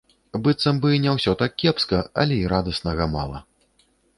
Быццам бы не ўсё так кепска, але і радаснага мала.